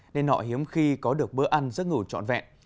nên họ hiếm khi có được bữa ăn giấc ngủ trọn vẹn